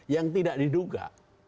yang tidak diduga